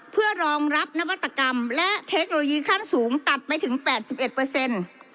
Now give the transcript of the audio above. เพื่อรองรับนวัตกรรมและเทคโนโลยีขั้นสูงตัดไปถึง๘๑เปอร์เซ็นต์